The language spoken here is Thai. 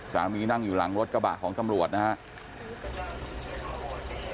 นั่งอยู่หลังรถกระบะของตำรวจนะครับ